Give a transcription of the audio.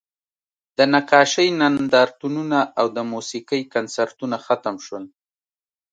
د نقاشۍ نندارتونونه او د موسیقۍ کنسرتونه ختم شول